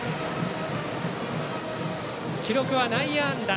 記録は内野安打。